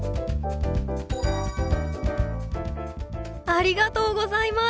ありがとうございます。